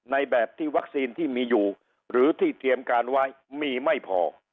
ในแบบที่วัคซีนที่มีอยู่หรือที่เตรียมการไว้มีไม่พอ